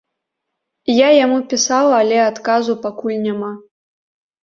Я яму пісала, але адказу пакуль няма.